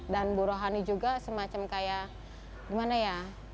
dan bu rohani juga semacam kayak gimana ya